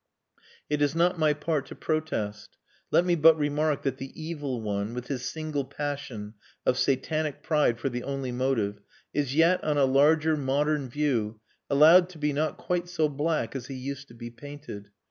It is not my part to protest. Let me but remark that the Evil One, with his single passion of satanic pride for the only motive, is yet, on a larger, modern view, allowed to be not quite so black as he used to be painted.